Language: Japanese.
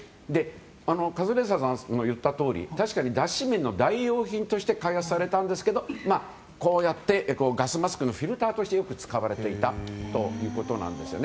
カズレーザーさんの言った通り脱脂綿の代用品として開発されたんですけどこうやってガスマスクのフィルターとして、よく使われていたということです。